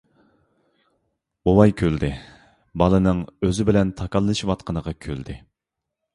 بوۋاي كۈلدى، بالىنىڭ ئۆزى بىلەن تاكاللىشىۋاتقىنىغا كۈلدى.